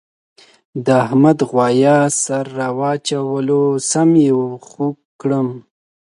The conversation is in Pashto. د احمد غوایه سر را واچولو سم یې خوږ کړم.